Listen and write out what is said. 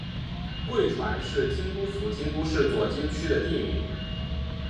贵船是京都府京都市左京区的地名。